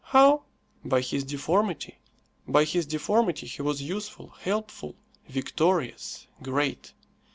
How? By his deformity. By his deformity he was useful, helpful, victorious, great.